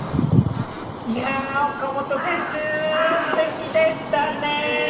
いやー、岡本選手、すてきでしたねー。